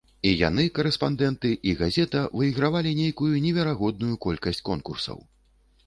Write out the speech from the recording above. І яны, карэспандэнты, і газета, выйгравалі нейкую неверагодную колькасць конкурсаў.